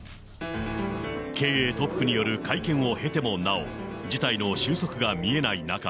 経営トップによる会見を経てもなお、事態の収束が見えない中。